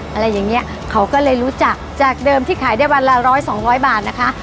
อะไรอย่างเงี้ยเขาก็เลยรู้จักจากเดิมที่ขายได้วันละร้อยสองร้อยบาทนะคะ